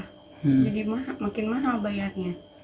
jadi makin mahal bayarnya